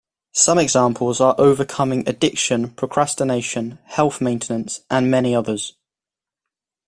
Some examples are overcoming addiction, procrastination, health maintenance, and many others.